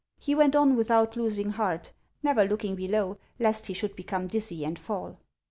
He went on without losing heart, never looking below lest he should become dizzy and fall.